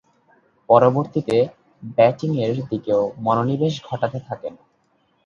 পরবর্তীতে ব্যাটিংয়ের দিকেও মনোনিবেশ ঘটাতে থাকেন।